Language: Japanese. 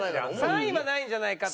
３位はないんじゃないかと？